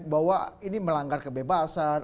bahwa ini melanggar kebebasan